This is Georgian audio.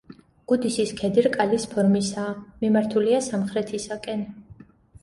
გუდისის ქედი რკალის ფორმისაა, მიმართულია სამხრეთისაკენ.